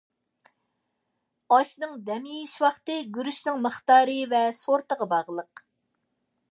ئاشنىڭ دەم يېيىش ۋاقتى گۈرۈچنىڭ مىقدارى ۋە سورتىغا باغلىق.